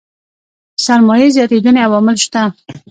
سرمايې زياتېدنې عوامل شته.